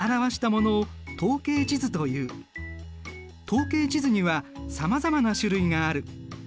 統計地図にはさまざまな種類がある。